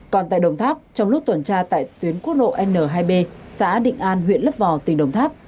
còn tại đồng tháp trong lúc tuần tra tại tuyến quốc lộ n hai b xã định an huyện lấp vò tỉnh đồng tháp